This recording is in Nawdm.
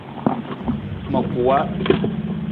Ma kuwa.